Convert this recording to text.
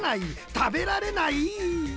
たべられない！